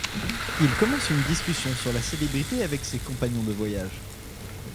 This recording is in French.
Il commence une discussion sur la célébrité avec ses compagnons de voyage.